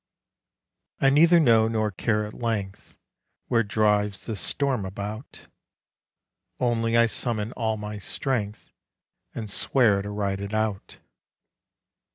I neither know nor care at length Where drives the storm about; Only I summon all my strength And swear to ride it out.